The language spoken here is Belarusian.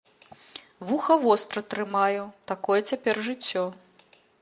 Вуха востра трымаю, такое цяпер жыццё.